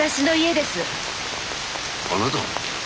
あなたの？